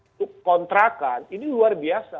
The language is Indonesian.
itu kontrakan ini luar biasa